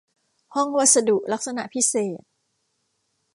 ห้องวัสดุลักษณะพิเศษ